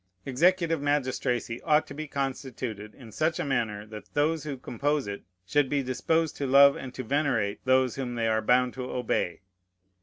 Executive magistracy ought to be constituted in such a manner that those who compose it should be disposed to love and to venerate those whom they are bound to obey.